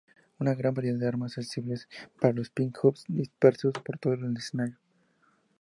Una gran variedad de armas, accesibles para los pick-ups dispersos por todo el escenario.